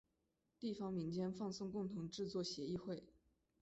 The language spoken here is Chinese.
地方民间放送共同制作协议会。